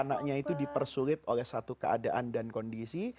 anaknya itu dipersulit oleh satu keadaan dan kondisi